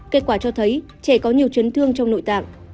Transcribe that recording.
kết quả cho thấy trẻ có nhiều chấn thương trong nội tạng